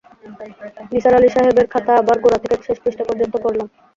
নিসার আলি সাহেবের খাতা আবার গোড়া থেকে শেষ পৃষ্ঠা পর্যন্ত পড়লাম।